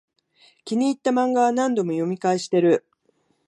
気に入ったマンガは何度も読み返してる